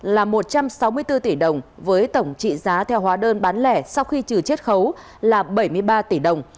là một trăm sáu mươi bốn tỷ đồng với tổng trị giá theo hóa đơn bán lẻ sau khi trừ chiết khấu là bảy mươi ba tỷ đồng